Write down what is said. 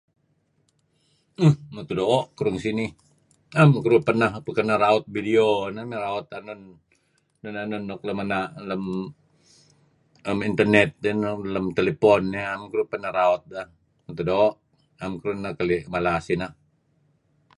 [Umph} mutuh doo' keduih ngan sinih am keduih pernah raut video neh raut enun-enun nuk lem ena' enun lem err 'am internet lem telepon. 'am keduih pernah raut neh, 'am keduih keli' mala sineh.